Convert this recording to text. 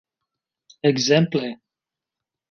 Ekzemple!